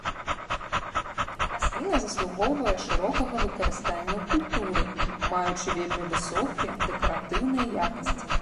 Расліна заслугоўвае шырокага выкарыстання ў культуры, маючы вельмі высокія дэкаратыўныя якасці.